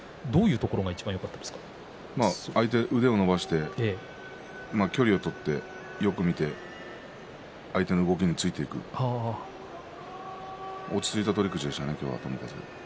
相手の腕を伸ばして距離を取ってよく見て相手の動きについていく落ち着いた取り口でしたね